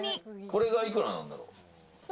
これがいくらなんだろう。